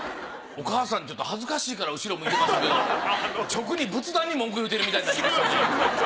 お母さん恥ずかしいから後ろ向いてましたけど直に仏壇に文句言うてるみたいになってますよね。